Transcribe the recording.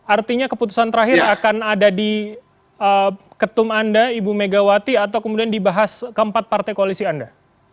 artinya keputusan terakhir akan ada di ketum anda ibu megawati atau kemudian dibahas keempat partai koalisi anda